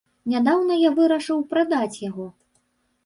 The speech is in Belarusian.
Нядаўна я вырашыў прадаць яго.